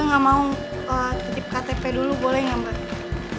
mbak gak mau titip ktp dulu boleh gak mbak